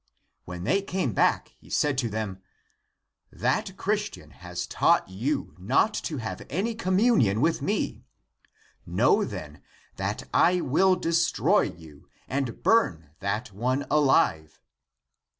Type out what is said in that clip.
When they came (back),®2 j^g S3i(^ | Q | hem, "that Christian®^ has taught you not to have any communion with me. Know, then, that I will destroy you and burn that one alive."